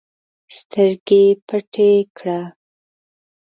سترګي پټي کړه!